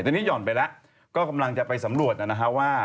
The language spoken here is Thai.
ตอนนี้หย่อนไปแล้วก็กำลังจะไปสำรวจนะฮะว่า